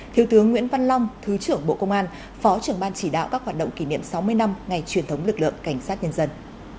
thiếu tướng nguyễn văn long thứ trưởng bộ công an phó trưởng ban chỉ đạo các hoạt động kỷ niệm sáu mươi năm ngày truyền thống lực lượng cảnh sát nhân dân